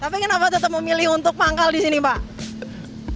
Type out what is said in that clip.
tapi kenapa tetap memilih untuk manggal di sini pak